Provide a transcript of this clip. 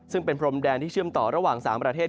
ซึ่งเป็นพรมแดนที่เชื่อมต่อระหว่าง๓ประเทศ